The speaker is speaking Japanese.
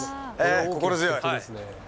心強い。